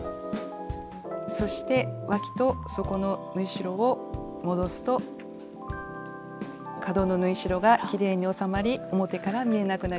そしてわきと底の縫い代を戻すと角の縫い代がきれいに収まり表から見えなくなります。